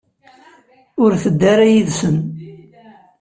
Ur tedda ara yid-sen.